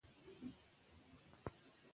موږ په خپلو اړیکو کې واټن نه غواړو.